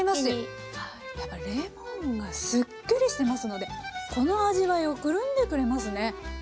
やっぱりレモンがスッキリしてますのでこの味わいをくるんでくれますね。